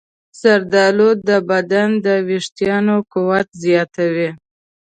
زردالو د بدن د ویښتانو قوت زیاتوي.